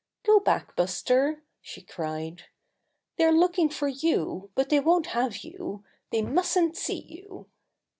"Go back, Buster!" she cried. "They're looking for you, but they won't have you. They mustn't see you!"